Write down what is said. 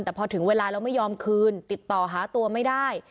แต่พอถึงเวลาแล้วไม่ยอมคืนติดต่อหาตัวไม่ได้